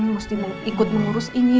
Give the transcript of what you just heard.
mesti ikut mengurus ini